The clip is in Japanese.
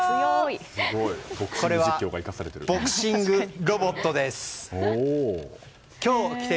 これは、ボクシングロボットです。